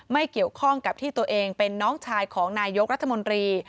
ไม่เกี่ยวข้องกับที่ตัวเองเป็นน้องชายของนายกรัฐมนตรี